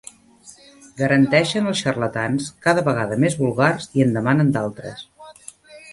Garanteixen els xarlatans, cada vegada més vulgars, i en demanen d'altres.